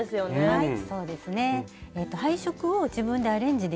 はい。